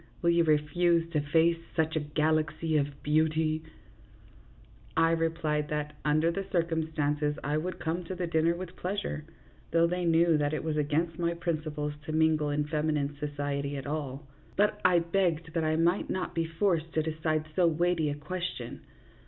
Will you refuse to face such a galaxy of beauty ?" I replied that, under the circumstances, I would come to the dinner with pleasure, though they knew that it was against my principles to mingle in femi nine society at all, but I begged that I might not be forced to decide so weighty a question.